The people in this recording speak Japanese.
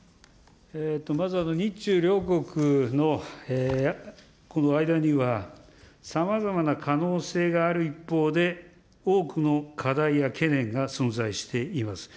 まず、日中両国のこの間には、さまざまな可能性がある一方で、多くの課題や懸念が存在しています。